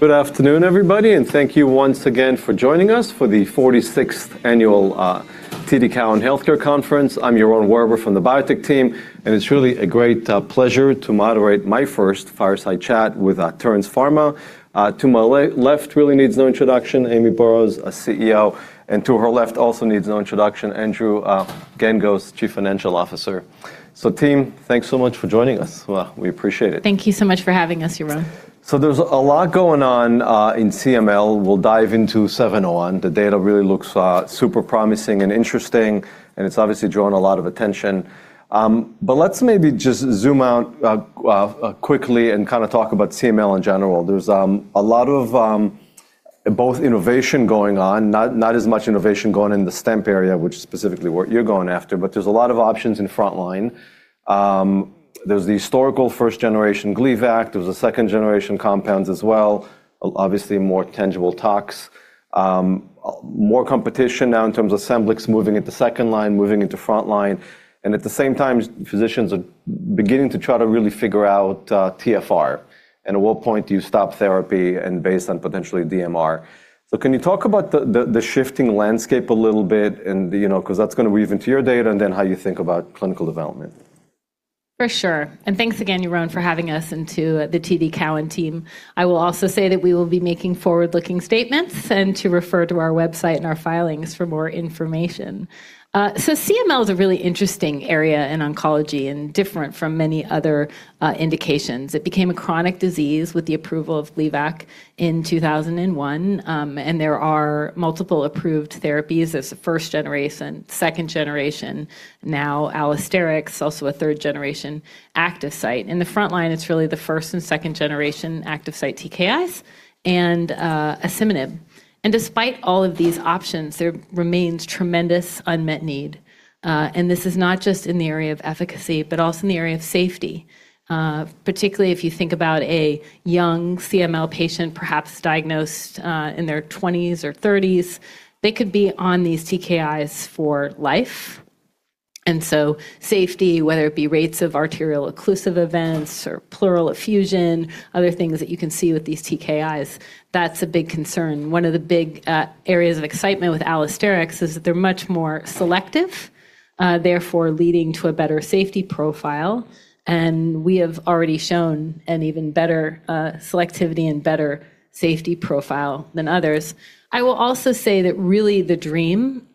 Good afternoon, everybody. Thank you once again for joining us for the 46th Annual TD Cowen Healthcare Conference. I'm Yaron Werber from the Biotech team. It's really a great pleasure to moderate my first Fireside Chat with Terns Pharmaceuticals. To my left really needs no introduction, Amy Burroughs, CEO. To her left also needs no introduction, Andrew Gengos, Chief Financial Officer. Team, thanks so much for joining us. We appreciate it. Thank you so much for having us, Yaron. There's a lot going on in CML. We'll dive into TERN-701. The data really looks super promising and interesting, and it's obviously drawn a lot of attention. Let's maybe just zoom out quickly and kinda talk about CML in general. There's a lot of both innovation going on, not as much innovation going on in the STAMP area, which is specifically what you're going after, but there's a lot of options in frontline. There's the historical first generation Gleevec, there's the second generation compounds as well, obviously more tangible talks. More competition now in terms of Scemblix moving into second line, moving into frontline, and at the same time, physicians are beginning to try to really figure out TFR and at what point do you stop therapy and based on potentially DMR. Can you talk about the shifting landscape a little bit and the, you know, 'cause that's gonna weave into your data and then how you think about clinical development? For sure. Thanks again, Yaron, for having us and to the TD Cowen team. I will also say that we will be making forward-looking statements and to refer to our website and our filings for more information. CML is a really interesting area in oncology and different from many other indications. It became a chronic disease with the approval of Gleevec in 2001, and there are multiple approved therapies. There's first generation, second generation, now allosteric, also a third generation active site. In the front line, it's really the first and second generation active site TKIs and asciminib. Despite all of these options, there remains tremendous unmet need, and this is not just in the area of efficacy, but also in the area of safety. Particularly if you think about a young CML patient perhaps diagnosed in their 20s or 30s, they could be on these TKIs for life. Safety, whether it be rates of arterial occlusive events or pleural effusion, other things that you can see with these TKIs, that's a big concern. One of the big areas of excitement with Allosteric is that they're much more selective, therefore leading to a better safety profile, and we have already shown an even better selectivity and better safety profile than others. I will also say that really the dream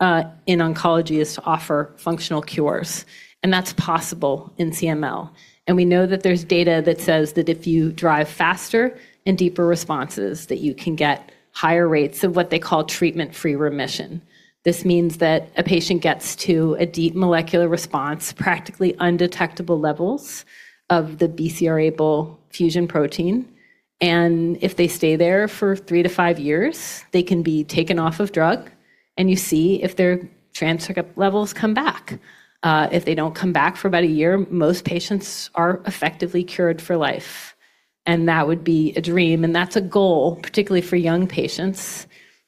in oncology is to offer functional cures, and that's possible in CML. We know that there's data that says that if you drive faster and deeper responses, that you can get higher rates of what they call treatment-free remission. This means that a patient gets to a deep molecular response, practically undetectable levels of the BCR-ABL fusion protein, and if they stay there for three to five years, they can be taken off of drug, and you see if their transcript levels come back. If they don't come back for about a year, most patients are effectively cured for life, and that would be a dream, and that's a goal, particularly for young patients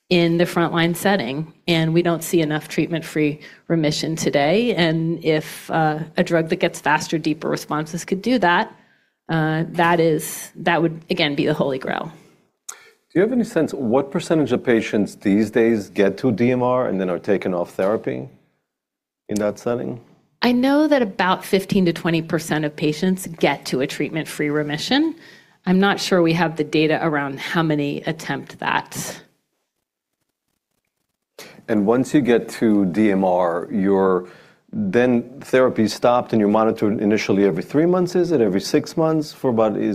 in the frontline setting. We don't see enough treatment-free remission today, and if a drug that gets faster, deeper responses could do that would again be the holy grail. Do you have any sense what % of patients these days get to DMR and then are taken off therapy in that setting? I know that about 15%-20% of patients get to a treatment-free remission. I'm not sure we have the data around how many attempt that. Once you get to DMR, your then therapy's stopped and you're monitored initially every three months, is it every six months? Is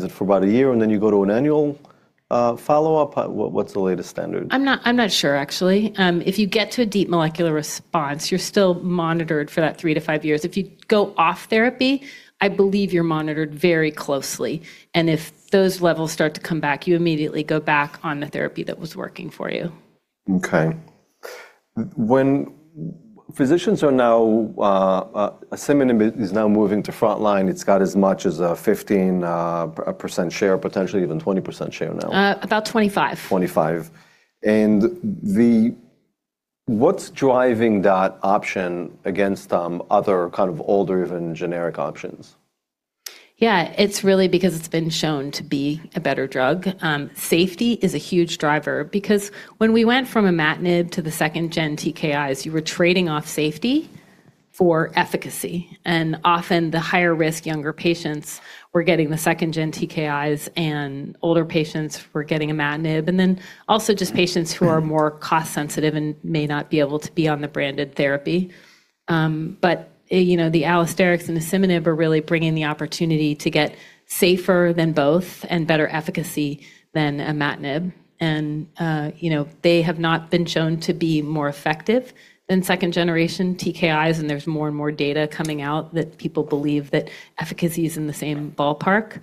it for about a year and then you go to an annual follow-up? What, what's the latest standard? I'm not sure actually. If you get to a deep molecular response, you're still monitored for that three to five years. If you go off therapy, I believe you're monitored very closely, and if those levels start to come back, you immediately go back on the therapy that was working for you. Okay. When physicians are now, asciminib is now moving to frontline, it's got as much as a 15% share, potentially even 20% share now. About 25. 25. What's driving that option against other kind of older, even generic options? Yeah. It's really because it's been shown to be a better drug. safety is a huge driver because when we went from imatinib to the second-gen TKIs, you were trading off safety for efficacy. Often, the higher risk younger patients were getting the second-gen TKIs and older patients were getting imatinib. Also just patients who are more cost-sensitive and may not be able to be on the branded therapy. you know, the allosterix and asciminib are really bringing the opportunity to get safer than both and better efficacy than imatinib. you know, they have not been shown to be more effective than second-generation TKIs, and there's more and more data coming out that people believe that efficacy is in the same ballpark.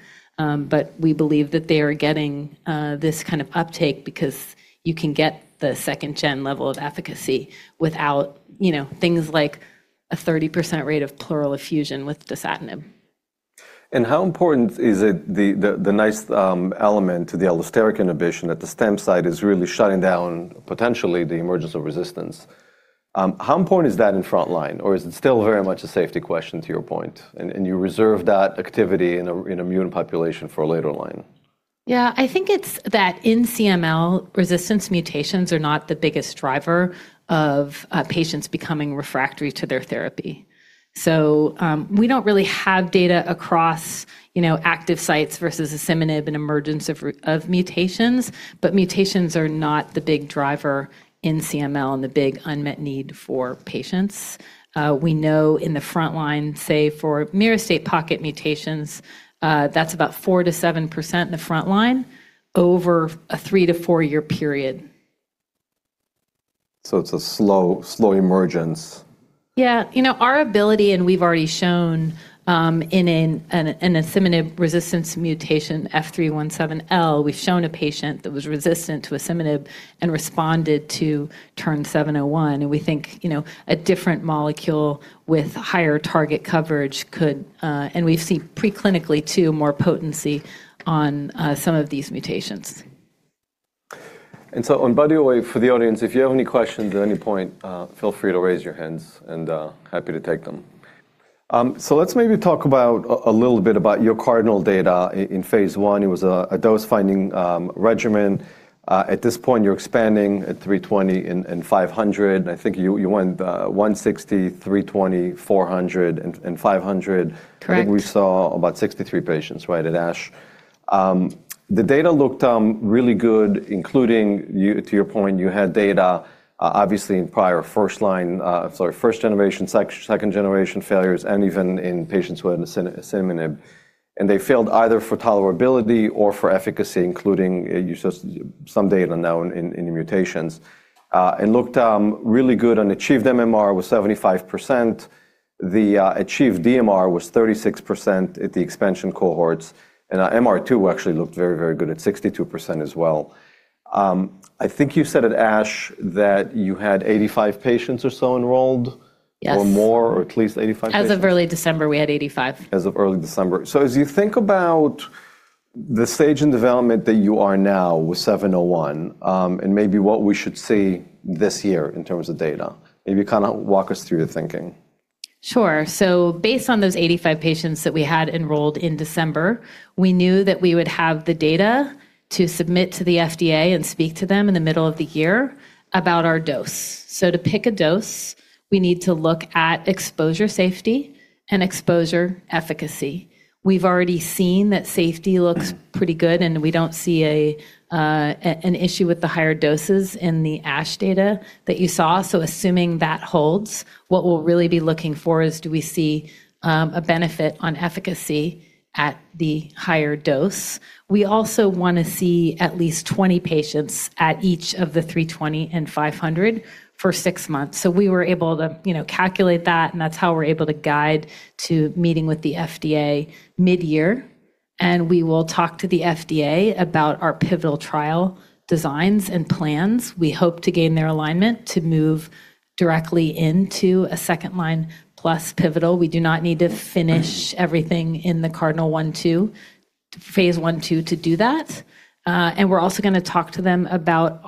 We believe that they are getting this kind of uptake because you can get the second-gen level of efficacy without, you know, things like a 30% rate of pleural effusion with dasatinib. How important is it the nice element to the allosteric inhibition that the myristoyl pocket is really shutting down potentially the emergence of resistance? How important is that in frontline, or is it still very much a safety question to your point, and you reserve that activity in a mutant population for a later line? I think it's that in CML, resistance mutations are not the biggest driver of, patients becoming refractory to their therapy. We don't really have data across, you know, active sites versus asciminib and emergence of mutations, but mutations are not the big driver in CML and the big unmet need for patients. We know in the frontline, say for myristoyl pocket mutations, that's about 4%-7% in the frontline over a three to four years period. It's a slow emergence. Yeah. You know, our ability, and we've already shown, in an asciminib resistance mutation F317L, we've shown a patient that was resistant to asciminib and responded to TERN-701, and we think, you know, a different molecule with higher target coverage could. We've seen preclinically too, more potency on some of these mutations. By the way, for the audience, if you have any questions at any point, feel free to raise your hands and happy to take them. Let's maybe talk about a little bit about your CARDINAL data in Phase I. It was a dose-finding regimen. At this point, you're expanding at 320 and 500. I think you went 160, 320, 400 and 500. Correct. I think we saw about 63 patients, right, at ASH. The data looked really good, including to your point, you had data obviously in prior first line, sorry, first generation, second generation failures, and even in patients who had asciminib. They failed either for tolerability or for efficacy, including you said some data now in the mutations. It looked really good and achieved MMR was 75%. The achieved DMR was 36% at the expansion cohorts. MR2 actually looked very, very good at 62% as well. I think you said at ASH that you had 85 patients or so enrolled. Yes Or more, or at least 85 patients. As of early December, we had 85. As of early December. As you think about the stage in development that you are now with 701, and maybe what we should see this year in terms of data, maybe kind of walk us through your thinking? Sure. Based on those 85 patients that we had enrolled in December, we knew that we would have the data to submit to the FDA and speak to them in the middle of the year about our dose. To pick a dose, we need to look at exposure-safety and exposure-efficacy. We've already seen that safety looks pretty good, and we don't see an issue with the higher doses in the ASH data that you saw. Assuming that holds, what we'll really be looking for is do we see a benefit on efficacy at the higher dose. We also wanna see at least 20 patients at each of the 320 and 500 for six months. We were able to, you know, calculate that, and that's how we're able to guide to meeting with the FDA mid-year. We will talk to the FDA about our pivotal trial designs and plans. We hope to gain their alignment to move directly into a second line plus pivotal. We do not need to finish everything in the CARDINAL 1/2, Phase I/II to do that. We're also going to talk to them about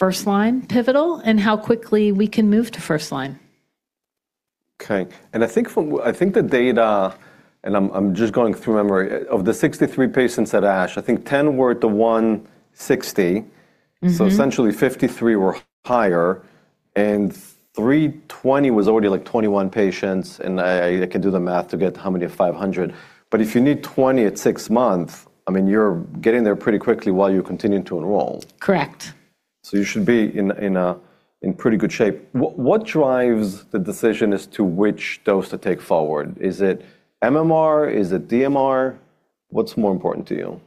our first line pivotal and how quickly we can move to first line. Okay. I think the data, and I'm just going through memory, of the 63 patients at ASH, I think 10 were at the 160- Mm-hmm Essentially 53 were higher, and 320 was already like 21 patients, and I can do the math to get how many of 500. If you need 20 at six months, I mean, you're getting there pretty quickly while you're continuing to enroll. Correct. You should be in pretty good shape. What drives the decision as to which dose to take forward? Is it MMR? Is it DMR? What's more important to you?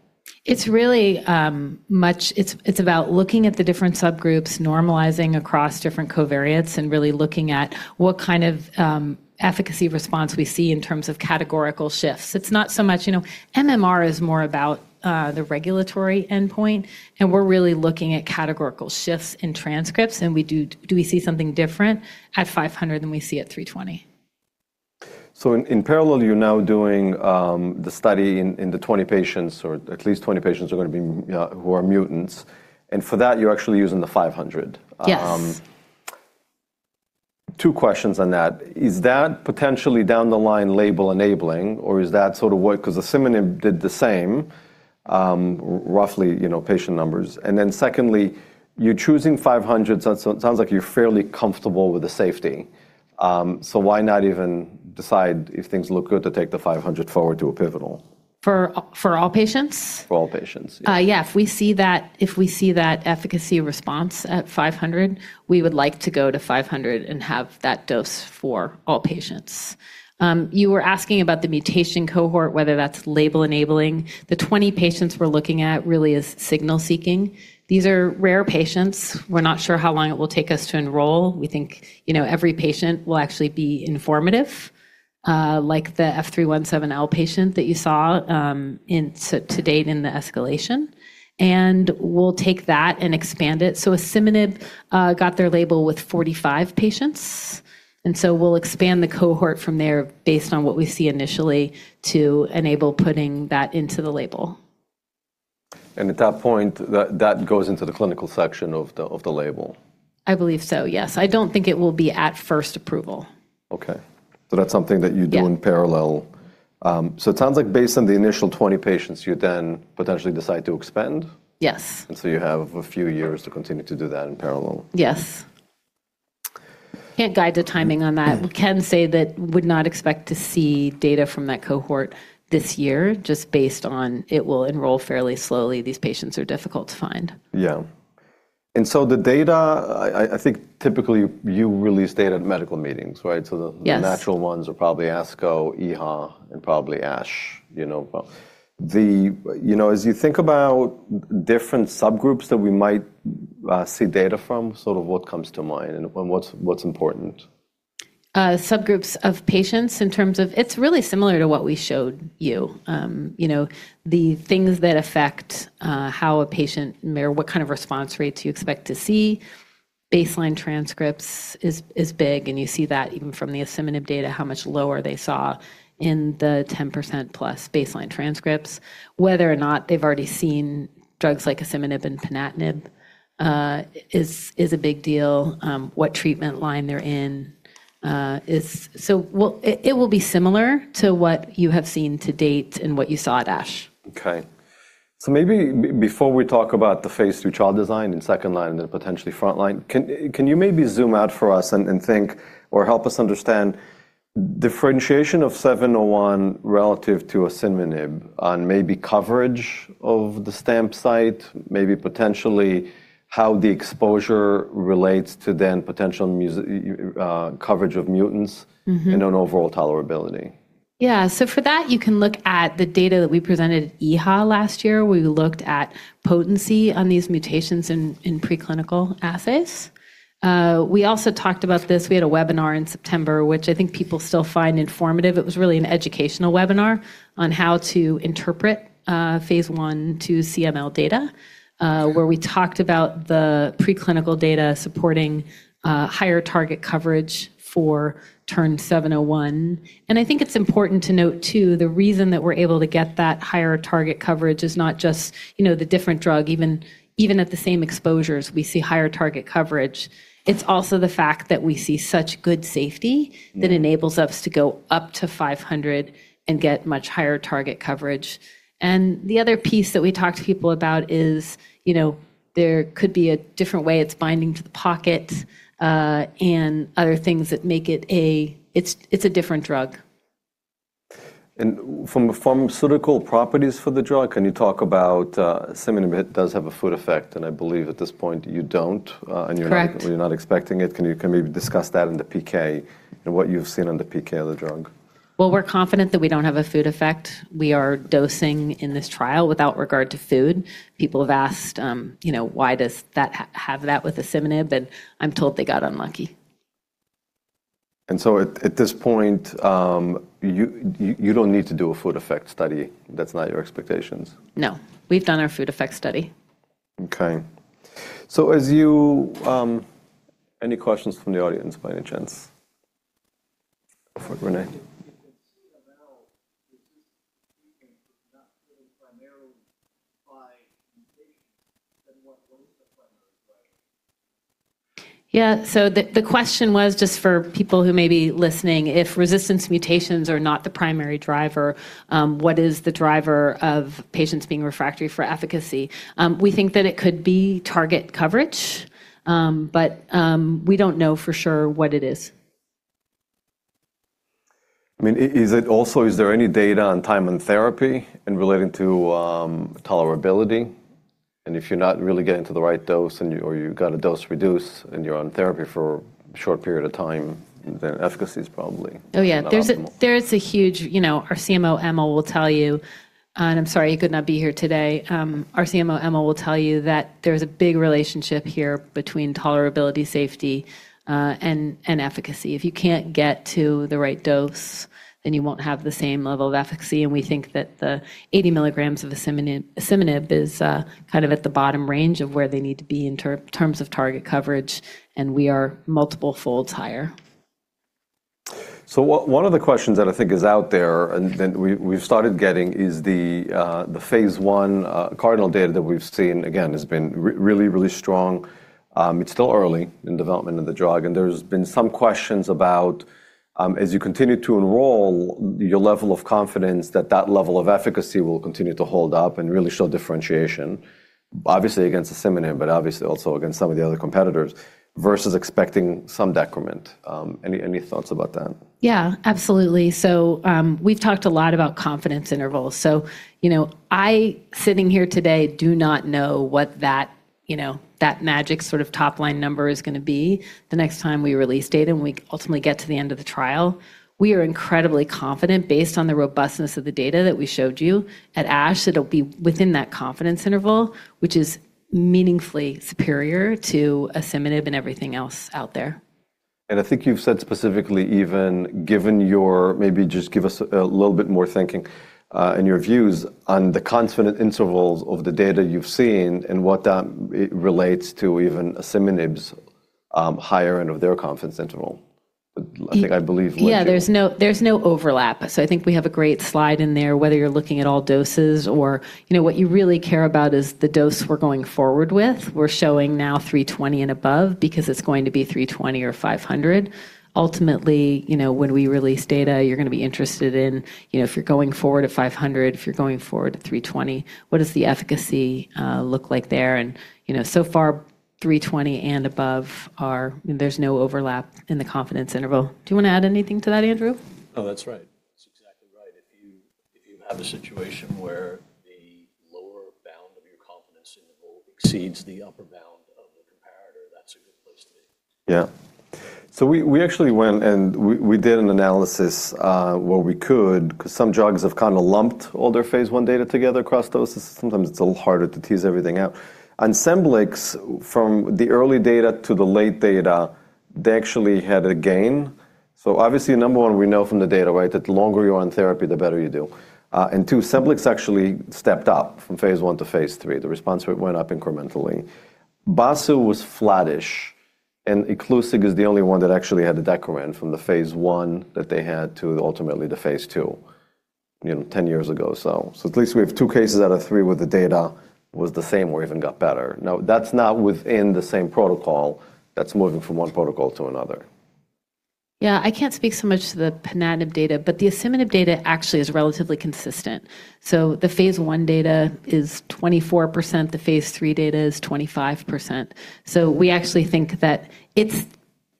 It's really about looking at the different subgroups, normalizing across different covariates, and really looking at what kind of efficacy response we see in terms of categorical shifts. It's not so much. You know, MMR is more about the regulatory endpoint, and we're really looking at categorical shifts in transcripts, and do we see something different at 500 than we see at 320? In parallel, you're now doing the study in the 20 patients, or at least 20 patients are gonna be, who are mutants, and for that, you're actually using the 500. Yes. Two questions on that. Is that potentially down the line label enabling, or is that sort of work? 'Cause asciminib did the same, roughly, you know, patient numbers. Secondly, you're choosing 500, so it sounds like you're fairly comfortable with the safety. Why not even decide if things look good to take the 500 forward to a pivotal? For all patients? For all patients, yeah. Yeah, if we see that, if we see that efficacy response at 500, we would like to go to 500 and have that dose for all patients. You were asking about the mutation cohort, whether that's label enabling. The 20 patients we're looking at really is signal seeking. These are rare patients. We're not sure how long it will take us to enroll. We think, you know, every patient will actually be informative, like the F317L patient that you saw to date in the escalation, and we'll take that and expand it. asciminib got their label with 45 patients, and so we'll expand the cohort from there based on what we see initially to enable putting that into the label. At that point, that goes into the clinical section of the label. I believe so, yes. I don't think it will be at first approval. Okay. That's something that you- Yeah do in parallel. It sounds like based on the initial 20 patients, you then potentially decide to expand? Yes. You have a few years to continue to do that in parallel. Yes. Can't guide the timing on that. We can say that would not expect to see data from that cohort this year, just based on it will enroll fairly slowly. These patients are difficult to find. Yeah. The data, I think typically you release data at medical meetings, right? Yes... the natural ones are probably ASCO, EHA, and probably ASH. You know, as you think about different subgroups that we might see data from, sort of what comes to mind and what's important? Subgroups of patients in terms of... It's really similar to what we showed you. You know, the things that affect how a patient. What kind of response rates you expect to see. Baseline transcripts is big, and you see that even from the asciminib data, how much lower they saw in the 10% plus baseline transcripts. Whether or not they've already seen drugs like asciminib and ponatinib is a big deal. What treatment line they're in. Well, it will be similar to what you have seen to date and what you saw at ASH. Maybe before we talk about the phase II trial design and second line and then potentially front line, can you maybe zoom out for us and think or help us understand differentiation of TERN-701 relative to asciminib on maybe coverage of the STAMP site, maybe potentially how the exposure relates to then potential you coverage of mutants. Mm-hmm and on overall tolerability. Yeah. For that, you can look at the data that we presented at EHA last year, where we looked at potency on these mutations in preclinical assays. We also talked about this, we had a webinar in September, which I think people still find informative. It was really an educational webinar on how to interpret Phase I to CML data, where we talked about the preclinical data supporting higher target coverage for TERN-701. I think it's important to note too, the reason that we're able to get that higher target coverage is not just, you know, the different drug. Even at the same exposures, we see higher target coverage. It's also the fact that we see such good safety. Yeah... that enables us to go up to 500 and get much higher target coverage. The other piece that we talk to people about is, you know, there could be a different way it's binding to the pocket, and other things that make it a different drug. From a pharmaceutical properties for the drug, can you talk about, asciminib does have a food effect, and I believe at this point you don't? Correct... and you're not expecting it. Can you maybe discuss that in the PK and what you've seen on the PK of the drug? We're confident that we don't have a food effect. We are dosing in this trial without regard to food. People have asked, you know, "Why does that have that with asciminib?" I'm told they got unlucky. At this point, you don't need to do a food effect study. That's not your expectations. No. We've done our food effect study. Okay. As you, Any questions from the audience by any chance? For Renee. If the CML resistant mutant is not driven primarily by mutations, then what was the primary driver? Yeah. The question was just for people who may be listening, if resistance mutations are not the primary driver, what is the driver of patients being refractory for efficacy? We think that it could be target coverage, but we don't know for sure what it is. I mean, is it also, is there any data on time and therapy in relating to, tolerability? If you're not really getting to the right dose and you, or you've got a dose reduce and you're on therapy for a short period of time, efficacy is probably- Oh, yeah. not optimal. There is a huge, you know, our CMO, Emma, will tell you. I'm sorry you could not be here today. Our CMO, Emma, will tell you that there's a big relationship here between tolerability, safety, and efficacy. If you can't get to the right dose, then you won't have the same level of efficacy. We think that the 80 milligrams of asciminib is kind of at the bottom range of where they need to be in terms of target coverage, and we are multiple folds higher. One of the questions that I think is out there and that we've started getting is the Phase I CARDINAL data that we've seen, again, has been really strong. It's still early in development of the drug, and there's been some questions about as you continue to enroll, your level of confidence that that level of efficacy will continue to hold up and really show differentiation, obviously against asciminib, but obviously also against some of the other competitors versus expecting some decrement. Any thoughts about that? Yeah, absolutely. We've talked a lot about confidence intervals. You know, I, sitting here today, do not know what that, you know, that magic sort of top-line number is gonna be the next time we release data and we ultimately get to the end of the trial. We are incredibly confident based on the robustness of the data that we showed you at ASH, that it'll be within that confidence interval, which is meaningfully superior to asciminib and everything else out there. I think you've said specifically, even given your, maybe just give us a little bit more thinking, and your views on the confident intervals of the data you've seen and what that, it relates to even asciminib's higher end of their confidence interval. I think I believe. Yeah, there's no, there's no overlap. I think we have a great slide in there, whether you're looking at all doses or, you know, what you really care about is the dose we're going forward with. We're showing now 320 and above because it's going to be 320 or 500. Ultimately, you know, when we release data, you're gonna be interested in, you know, if you're going forward at 500, if you're going forward at 320, what does the efficacy look like there? You know, so far 320 and above there's no overlap in the confidence interval. Do you wanna add anything to that, Andrew? No, that's right. That's exactly right. If you, if you have a situation where the lower bound of your confidence interval exceeds the upper bound of the comparator, that's a good place to be. Yeah. We actually went and we did an analysis where we could, 'cause some drugs have kinda lumped all their phase I data together across doses. Sometimes it's a little harder to tease everything out. On Scemblix, from the early data to the late data, they actually had a gain. Obviously, number one, we know from the data, right, that the longer you're on therapy, the better you do. Two, Scemblix actually stepped up from phase I to phase III. The response rate went up incrementally. Bosulif was flattish, Iclusig is the only one that actually had a decrement from the Phase I that they had to ultimately the Phase II, you know, 10 years ago or so. At least we have two cases out of three where the data was the same or even got better. Now, that's not within the same protocol. That's moving from one protocol to another. Yeah. I can't speak so much to the ponatinib data, but the asciminib data actually is relatively consistent. The Phase I data is 24%, the Phase III data is 25%. We actually think that it's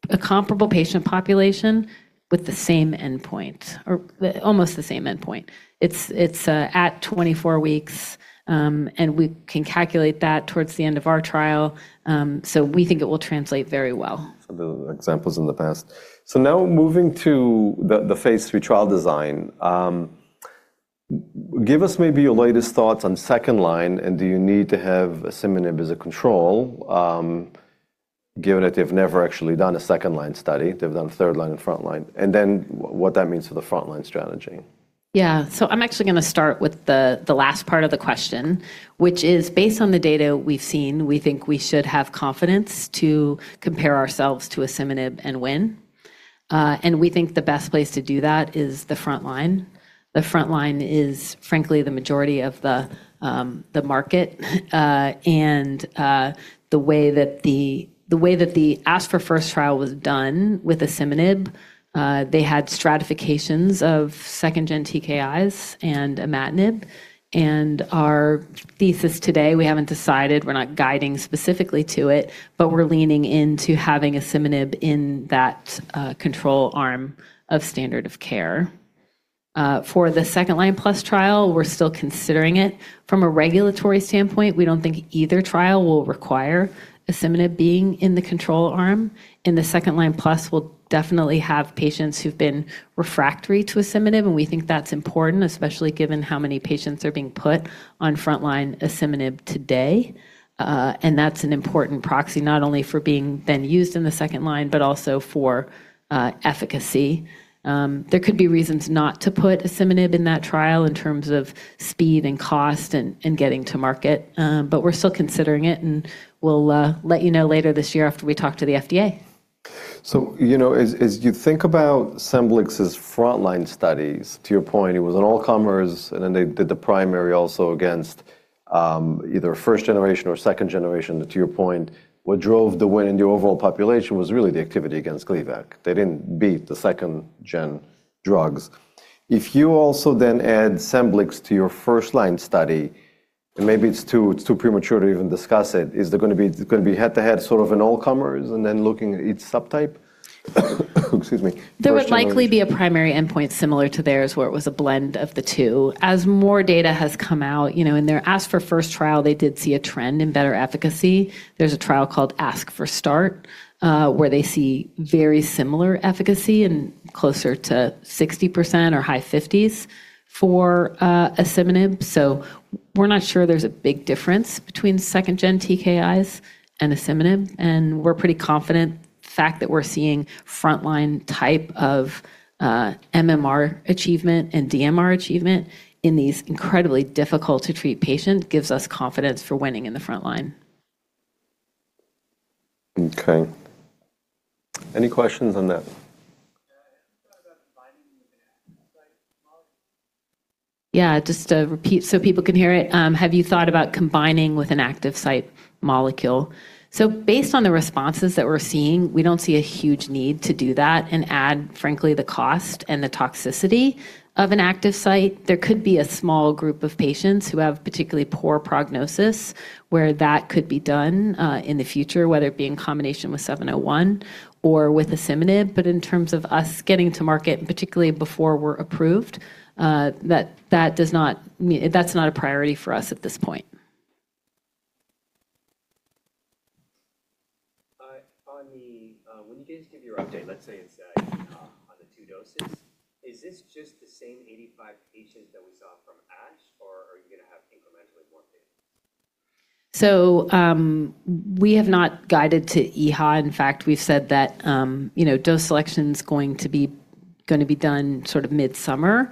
a comparable patient population with the same endpoint, or almost the same endpoint. It's at 24 weeks, and we can calculate that towards the end of our trial, we think it will translate very well. For the examples in the past. Now moving to the Phase III trial design. Give us maybe your latest thoughts on second-line, and do you need to have asciminib as a control, given that they've never actually done a second-line study? They've done third line and front line. What that means for the front-line strategy. I'm actually gonna start with the last part of the question, which is based on the data we've seen, we think we should have confidence to compare ourselves to asciminib and win. We think the best place to do that is the front line. The front line is frankly the majority of the market, and the way that the ASC4FIRST trial was done with asciminib, they had stratifications of second-gen TKIs and imatinib. Our thesis today, we haven't decided, we're not guiding specifically to it, but we're leaning into having asciminib in that control arm of standard of care. For the Second Line Plus trial, we're still considering it. From a regulatory standpoint, we don't think either trial will require asciminib being in the control arm. In the Second Line Plus, we'll definitely have patients who've been refractory to asciminib, and we think that's important, especially given how many patients are being put on front-line asciminib today. That's an important proxy, not only for being then used in the second line, but also for efficacy. There could be reasons not to put asciminib in that trial in terms of speed and cost and getting to market. We're still considering it, and we'll let you know later this year after we talk to the FDA. You know, as you think about Scemblix's frontline studies, to your point, it was an all comers, and then they did the primary also against either first generation or second generation. To your point, what drove the win in the overall population was really the activity against Gleevec. They didn't beat the second-gen drugs. If you also then add Scemblix to your first-line study, and maybe it's too premature to even discuss it, is there gonna be head-to-head, sort of an all comers and then looking at each subtype? Excuse me. There would likely be a primary endpoint similar to theirs, where it was a blend of the two. As more data has come out, you know, in their ASC4FIRST trial, they did see a trend in better efficacy. There's a trial called ASC4START, where they see very similar efficacy and closer to 60% or high 50s for asciminib. We're not sure there's a big difference between second gen TKIs and asciminib, and we're pretty confident the fact that we're seeing frontline type of MMR achievement and DMR achievement in these incredibly difficult to treat patients gives us confidence for winning in the front line. Okay. Any questions on that? Yeah. Have you thought about combining with an active site molecule? Yeah. Just to repeat so people can hear it, have you thought about combining with an active site molecule? Based on the responses that we're seeing, we don't see a huge need to do that and add, frankly, the cost and the toxicity of an active site. There could be a small group of patients who have particularly poor prognosis where that could be done in the future, whether it be in combination with TERN-701 or with asciminib. In terms of us getting to market, and particularly before we're approved, That's not a priority for us at this point. On the, when you guys give your update, let's say it's, on the two doses, is this just the same 85 patients that we saw from ASH, or are you gonna have incrementally more data? We have not guided to EHA. In fact, we've said that, you know, dose selection's going to be done sort of midsummer,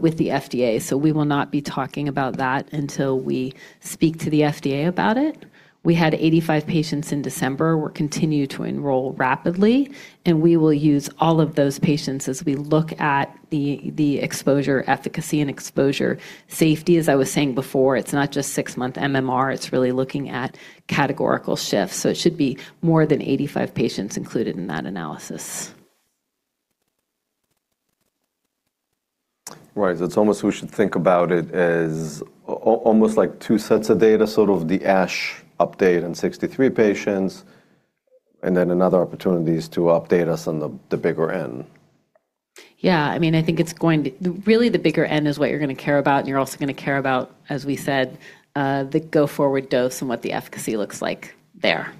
with the FDA, so we will not be talking about that until we speak to the FDA about it. We had 85 patients in December. We're continue to enroll rapidly, and we will use all of those patients as we look at the exposure efficacy and exposure safety. As I was saying before, it's not just six months MMR, it's really looking at categorical shifts, so it should be more than 85 patients included in that analysis. Right. It's almost we should think about it as almost like two sets of data, sort of the ASH update and 63 patients, and then another opportunity is to update us on the bigger N. Yeah. I mean, I think Really the bigger N is what you're gonna care about, and you're also gonna care about, as we said, the go-forward dose and what the efficacy looks like there.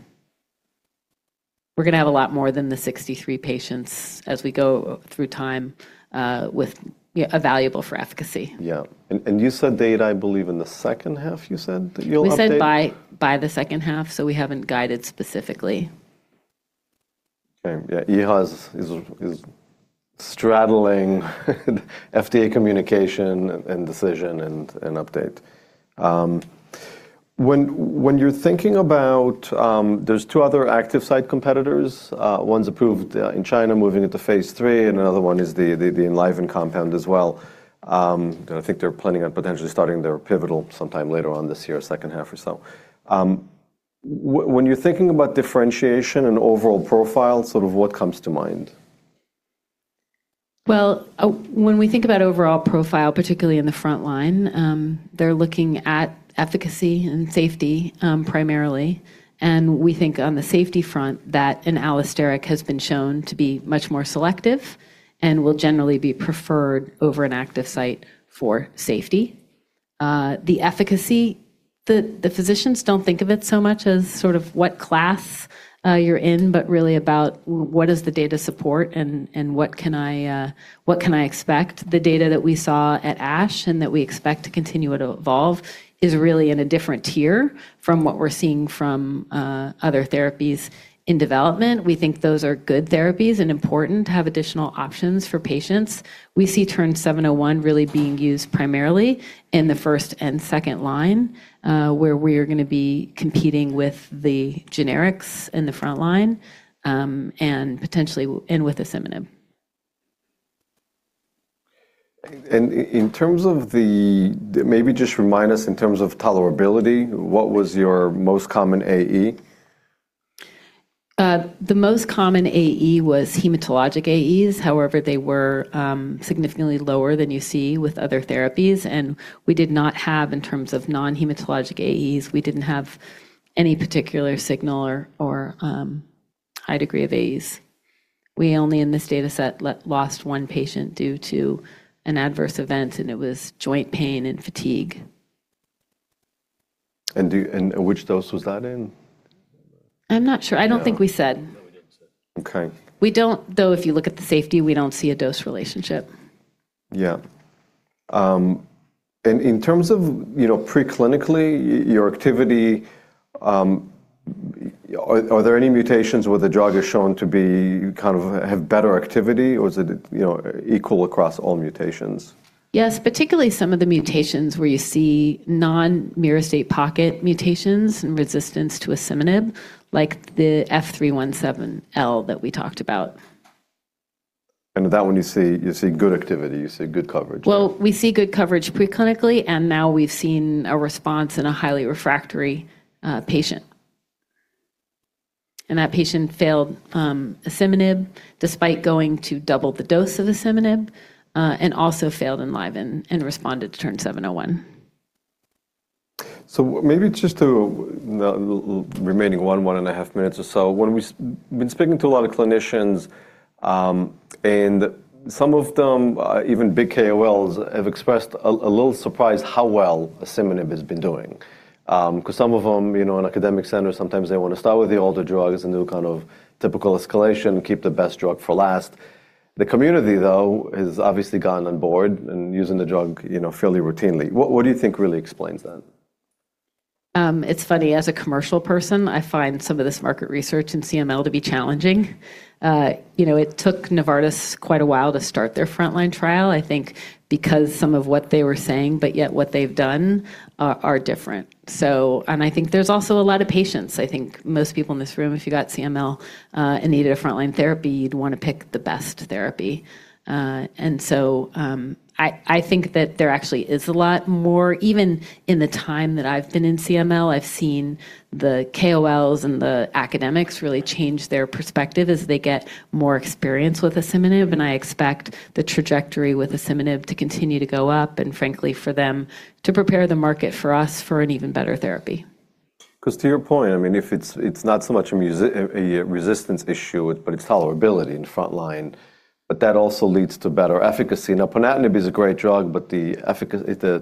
We're gonna have a lot more than the 63 patients as we go through time, with, yeah, a valuable for efficacy. Yeah. You said data, I believe, in the second half, you said that you'll update? We said by the second half, so we haven't guided specifically. Okay. Yeah, EHA is straddling FDA communication and decision and update. When you're thinking about, there's two other active site competitors. One's approved in China moving into Phase III, another one is the Enliven compound as well. I think they're planning on potentially starting their pivotal sometime later on this year, second half or so. When you're thinking about differentiation and overall profile, sort of what comes to mind? Well, when we think about overall profile, particularly in the front line, they're looking at efficacy and safety, primarily. We think on the safety front that an allosteric has been shown to be much more selective and will generally be preferred over an active site for safety. The efficacy, the physicians don't think of it so much as sort of what class you're in, but really about what does the data support and what can I expect. The data that we saw at ASH and that we expect to continue to evolve is really in a different tier from what we're seeing from other therapies in development. We think those are good therapies and important to have additional options for patients. We see TERN-701 really being used primarily in the first and second line, where we're gonna be competing with the generics in the front line, and potentially with asciminib. Maybe just remind us in terms of tolerability, what was your most common AE? The most common AE was hematologic AEs. They were significantly lower than you see with other therapies, we did not have, in terms of non-hematologic AEs, we didn't have any particular signal or high degree of AEs. We only in this data set lost one patient due to an adverse event, and it was joint pain and fatigue. Which dose was that in? I'm not sure. Yeah. I don't think we said. No, we didn't say. Okay. If you look at the safety, we don't see a dose relationship. Yeah. In terms of, you know, preclinically, your activity, are there any mutations where the drug is shown to be kind of have better activity or is it, you know, equal across all mutations? Yes, particularly some of the mutations where you see non-myristoyl pocket mutations and resistance to asciminib, like the F317L that we talked about. That one you see, you see good activity, you see good coverage. Well, we see good coverage preclinically and now we've seen a response in a highly refractory patient. That patient failed asciminib despite going to double the dose of asciminib and also failed Enliven and responded to TERN-701. Maybe just to the remaining one and a half minutes or so, when we been speaking to a lot of clinicians, and some of them, even big KOLs have expressed a little surprise how well asciminib has been doing. 'Cause some of them, you know, in academic centers sometimes they wanna start with the older drugs and do a kind of typical escalation, keep the best drug for last. The community though has obviously gotten on board in using the drug, you know, fairly routinely. What do you think really explains that? It's funny. As a commercial person, I find some of this market research in CML to be challenging. You know, it took Novartis quite a while to start their frontline trial, I think because some of what they were saying but yet what they've done are different. I think there's also a lot of patients. I think most people in this room, if you got CML, and needed a frontline therapy, you'd wanna pick the best therapy. I think that there actually is a lot more. Even in the time that I've been in CML, I've seen the KOLs and the academics really change their perspective as they get more experience with asciminib, and I expect the trajectory with asciminib to continue to go up and frankly for them to prepare the market for us for an even better therapy. To your point, I mean, if it's not so much a resistance issue, but it's tolerability in the frontline, but that also leads to better efficacy. Ponatinib is a great drug, but the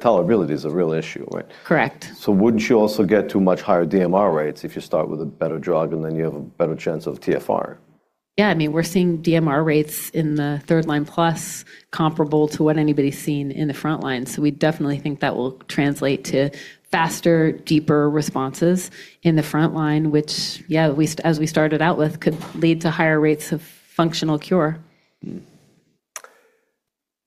tolerability is a real issue, right? Correct. Wouldn't you also get to much higher DMR rates if you start with a better drug and then you have a better chance of TFR? I mean, we're seeing DMR rates in the 3rd line plus comparable to what anybody's seen in the frontline. We definitely think that will translate to faster, deeper responses in the frontline which, as we started out with, could lead to higher rates of functional cure.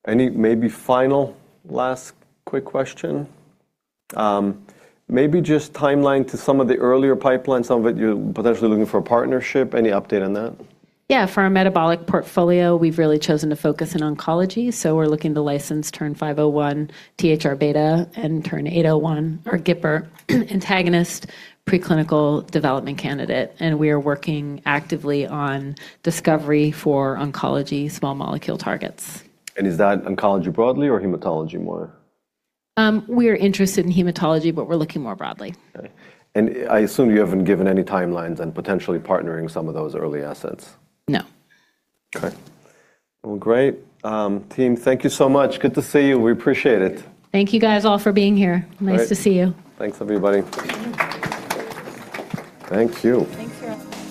Any maybe final last quick question? Maybe just timeline to some of the earlier pipeline, some of it you're potentially looking for a partnership. Any update on that? Yeah. For our metabolic portfolio we've really chosen to focus in oncology, so we're looking to license TERN-501, THR-β and TERN-801, our GIPR antagonist preclinical development candidate, and we are working actively on discovery for oncology small molecule targets. Is that oncology broadly or hematology more? We are interested in hematology but we're looking more broadly. Okay. I assume you haven't given any timelines on potentially partnering some of those early assets. No. Okay. Well, great. Team, thank you so much. Good to see you. We appreciate it. Thank you guys all for being here. Great. Nice to see you. Thanks, everybody. Thank you. Thanks for asking.